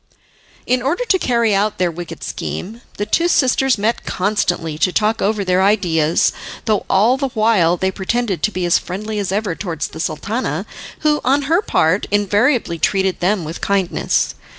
In order to carry out their wicked scheme the two sisters met constantly to talk over their ideas, though all the while they pretended to be as friendly as ever towards the Sultana, who, on her part, invariably treated them with kindness.